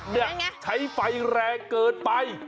นี่ใช้ไฟแรงเกินไป